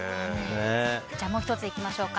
もう１ついきましょうか。